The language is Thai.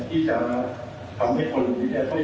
ที่จะทำให้คนอื่นได้เท่า